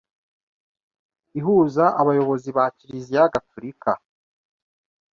ihuza abayobozi ba Kiliziya Gaturika